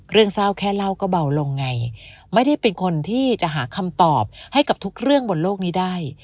เรื่องเศร้าแค่เล่าก็เบาลงไงไม่ได้เป็นคนที่จะหาคำตอบให้กับทุกเรื่องบนโลกนี้ได้